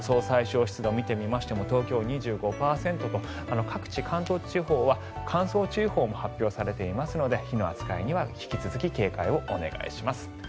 最小湿度を見てみましても東京２５％と各地、関東地方は乾燥注意報も発表されていますので火の扱いには引き続き警戒をお願いします。